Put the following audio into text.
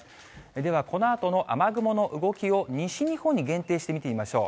ではこのあとの雨雲の動きを西日本に限定して見てみましょう。